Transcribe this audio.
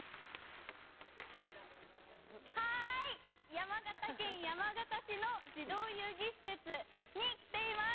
山形県山形市の児童遊戯施設に来ています。